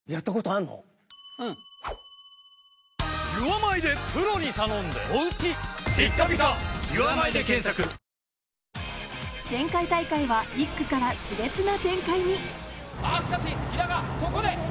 前回大会は１区から熾烈な展開に。